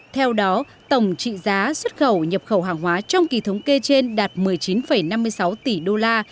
theo đó tổng trị giá xuất khẩu nhập khẩu hàng hóa trong kỳ thống kê trên đạt một mươi chín năm mươi sáu tỷ đô la